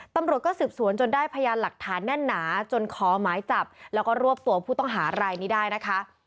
ตำรวจก็สืบสวนจนได้พยานหลักฐานแน่นหนาจนขอหมายจับแล้วก็รวบตัวผู้ต้องหารายนี้ได้นะคะ